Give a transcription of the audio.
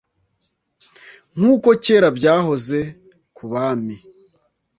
nk’uko kera byahoze. Kubami